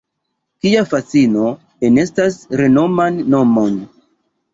Kia fascino enestas renoman nomon!